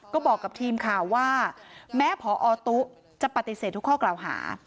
ก็บอกกับทีมข่าวว่าแม้พอตุ๊จะปฏิเสธทุกข้อกล่าวหา